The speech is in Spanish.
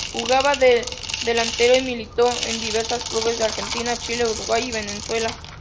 Jugaba de delantero y militó en diversos clubes de Argentina, Chile, Uruguay y Venezuela.